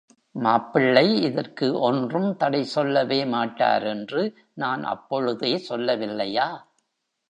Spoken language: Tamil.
மாப்பிள்ளை இதற்கு ஒன்றும் தடை சொல்லவே மாட்டார் என்று நான் அப்பொழுதே சொல்லவில்லையா?